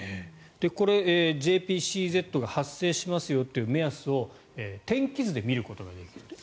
ＪＰＣＺが発生しますよという目安を天気図で見ることができる。